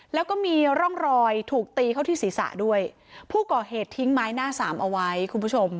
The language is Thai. แล้วก็มีร่องรอยถูกตีเข้าที่ศีรษะด้วยผู้ก่อเหตุทิ้งไม้หน้าสามเอาไว้คุณผู้ชม